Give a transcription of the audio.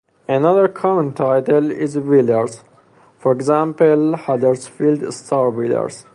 Another common title is Wheelers - for example, Huddersfield Star Wheelers.